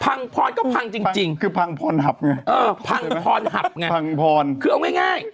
พังพรก็พังจริงก็พังพรหับไงพังพรหับไงคือเอาง่าย